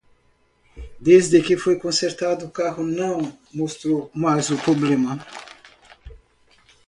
Desde que foi consertado, o carro não mostrou mais o problema.